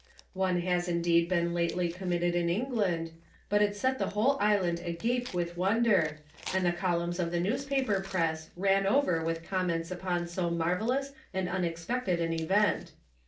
One has indeed been lately committed in England, but it set the whole island agape with wonder, and the columns of the newspaper press ran over with comments upon so marvellous and unexpected an event.